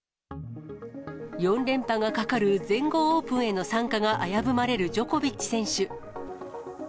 ４連覇がかかる全豪オープンへの参加が危ぶまれるジョコビッチ選手。